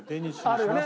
あるよね？